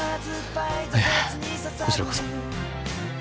いえこちらこそ。